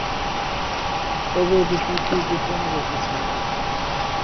তবে বিষয়টি গোপন রেখেছিলেন।